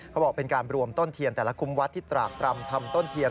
เขาบอกเป็นการรวมต้นเทียนแต่ละคุมวัดที่ตรากรำทำต้นเทียน